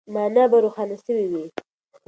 مانا به روښانه سوې وي.